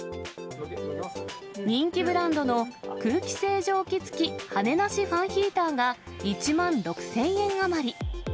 人気ブランドの空気清浄機付き羽根なしファンヒーターが１万６０００円余り。